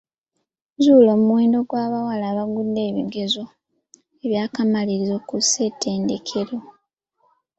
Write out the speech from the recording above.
Zuula omuwendo gw'abawala abaagudde ebigezo by'akamalirizo ku ssetendekero.